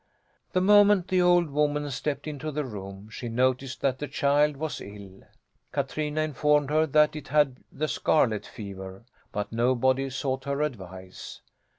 The moment the old woman stepped into the room she noticed that the child was ill. Katrina informed her that it had the scarlet fever, but nobody sought her advice.